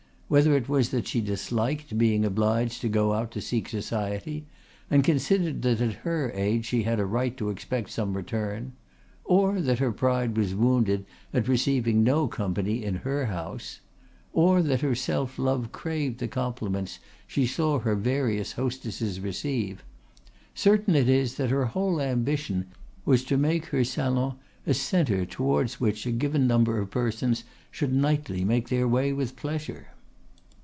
Whether it was that she disliked being obliged to go out to seek society, and considered that at her age she had a right to expect some return; or that her pride was wounded at receiving no company in her house; or that her self love craved the compliments she saw her various hostesses receive, certain it is that her whole ambition was to make her salon a centre towards which a given number of persons should nightly make their way with pleasure.